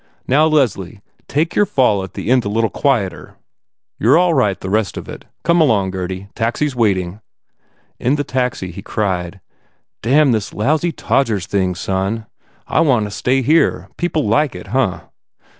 Now, Leslie, take your fall at the end quieter, a little. You re all right, the rest of it. Come along, Gurdy. Taxi s waiting." In the taxi, he cried, "Damn this lousy Todgers thing, son! I want to stay here. People liked it, huh?"